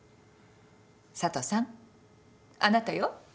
佐都さんあなたよ。